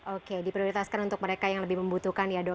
oke diprioritaskan untuk mereka yang lebih membutuhkan ya dok